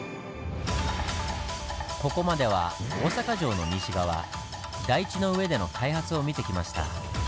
ここまでは大阪城の西側台地の上での開発を見てきました。